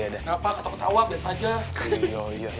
kenapa gak tahu ketawa biasa aja